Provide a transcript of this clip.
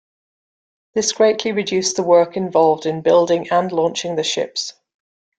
This greatly reduced the work involved in building and launching the ships.